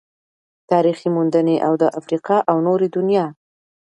تاريخي موندنې او د افريقا او نورې دنيا